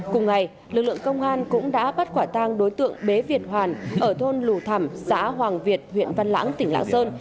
cùng ngày lực lượng công an cũng đã bắt quả tang đối tượng bế việt hoàn ở thôn lù thẩm xã hoàng việt huyện văn lãng tỉnh lãng sơn